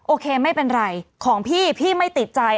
โอเคไม่เป็นไรของพี่พี่ไม่ติดใจ